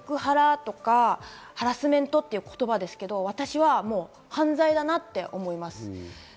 セクハラとか、ハラスメントっていう言葉ですけど、私は犯罪だなって思います。